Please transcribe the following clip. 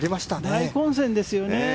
大混戦ですよね。